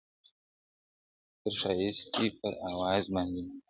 تر ښایست دي پر آواز باندي مین یم!